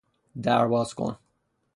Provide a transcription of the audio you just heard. در بازکن